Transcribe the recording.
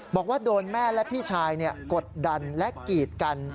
บอกว่าโดนแม่และพี่ชายกดดันและกีดกัน